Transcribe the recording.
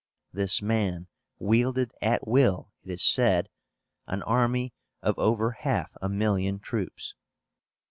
This man wielded at will, it is said, an army of over half a million troops.